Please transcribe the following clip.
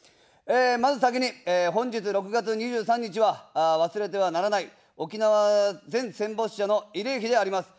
まず先に、本日６月２３日は忘れてはならない沖縄全戦没者の慰霊日であります。